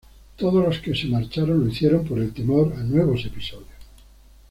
Todos los que se marcharon lo hicieron por el temor a nuevos episodios.